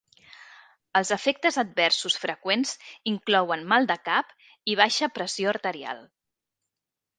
Els efectes adversos freqüents inclouen mal de cap i baixa pressió arterial.